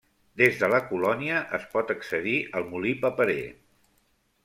Des de la colònia es pot accedir al molí paperer.